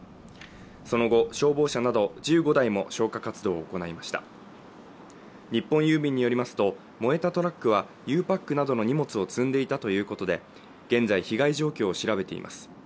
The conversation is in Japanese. その後消防車など１５台も消火活動を行いました日本郵便によりますと燃えたトラックはゆうパックなどの荷物を積んでいたということで現在被害状況を調べています